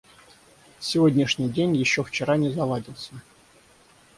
Сегодняшний день еще вчера не заладился.